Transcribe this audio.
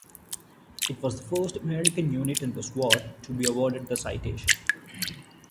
It was the first American unit in this war to be awarded the citation.